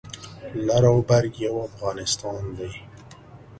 لر او بر یو افغانستان دی